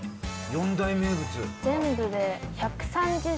四大名物。